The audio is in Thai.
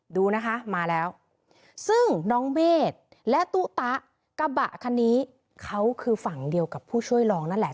ดูนะคะมาแล้วซึ่งน้องเมฆและตู้ตะกระบะคันนี้เขาคือฝั่งเดียวกับผู้ช่วยรองนั่นแหละ